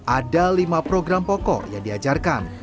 ada lima program pokok yang diajarkan